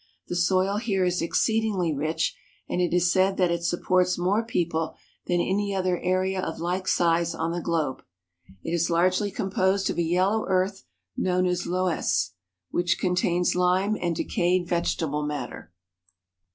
The soil here is exceedingly rich, and it is said that it supports more people than any other area of like size on the globe. It is largely composed of a yellow earth known as loess, GENERAL VIEW Il5 which contains lime and decayed vegetable matter.